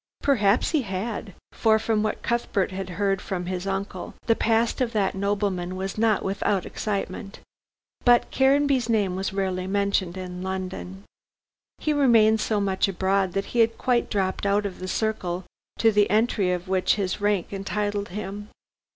Perhaps he had, for from what Cuthbert had heard from his uncle, the past of that nobleman was not without excitement. But Caranby's name was rarely mentioned in London. He remained so much abroad that he had quite dropped out of the circle to the entry of which his rank entitled him.